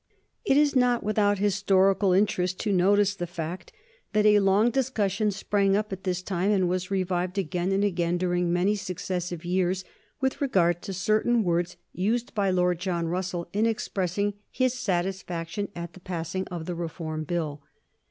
It is not without historical interest to notice the fact that a long discussion sprang up at this time and was revived again and again, during many successive years, with regard to certain words used by Lord John Russell in expressing his satisfaction at the passing of the Reform Bill.